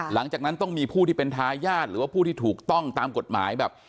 หลังจากนั้นต้องมีผู้ที่เป็นทายาทหรือว่าผู้ที่ถูกต้องตามกฎหมายแบบ